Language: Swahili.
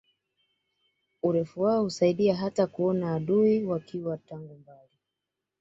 Urefu wao husaidia hata kuona adui wakiwa tangu mbali